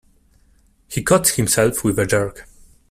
He caught himself with a jerk.